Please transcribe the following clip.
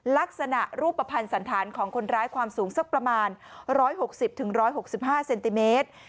ลักษณะรูปภัณฑ์สันธารของคนร้ายความสูงสักประมาณ๑๖๐๑๖๕เซนติเมตร